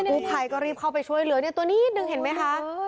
กู้ไพก็รีบเข้าไปช่วยเหลือตัวนี้หนึ่งเห็นไหมคะ